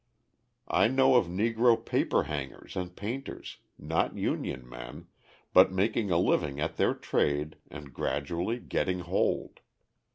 I know of Negro paper hangers and painters, not union men, but making a living at their trade and gradually getting hold.